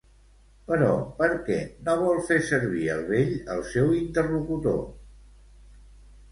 Però per què no vol fer servir el vell, el seu interlocutor?